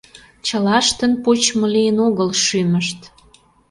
Чылаштын почмо лийын огыл шӱмышт.